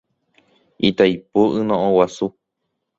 Itaipu yno'õguasu.